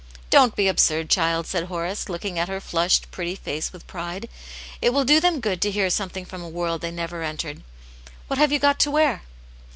"Don't be absurd, child," said Horace, looking at her flushed, pretty face with pride. '* It will do them good to hear something from a world they never entered. What have you got to wear